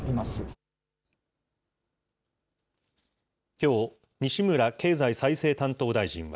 きょう、西村経済再生担当大臣は。